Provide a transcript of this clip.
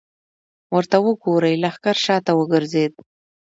ورته وګورئ! لښکر شاته وګرځېد.